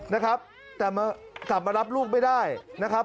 นะครับแต่มากลับมารับลูกไม่ได้นะครับ